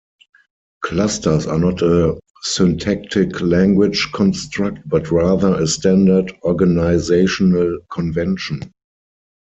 Clusters are not a syntactic language construct, but rather a standard organizational convention.